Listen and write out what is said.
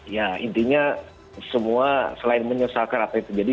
ya intinya semua selain menyesalkan apa yang terjadi